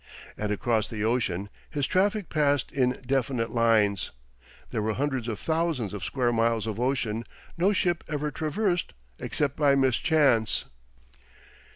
And across the ocean his traffic passed in definite lines; there were hundreds of thousands of square miles of ocean no ship ever traversed except by mischance.